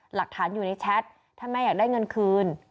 หลักฐานอยู่ในแชทถ้าแม่อยากได้เงินคืน